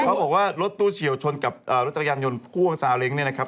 เขาบอกว่ารถตู้เฉียวชนกับรถยังยนต์ภูมิภูมิของขี่ซาเล้งนี่นะครับ